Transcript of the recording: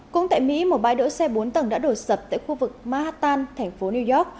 cũng tại mỹ một bãi đỗ xe bốn tầng đã đổ sập tại khu vực manhattan thành phố new york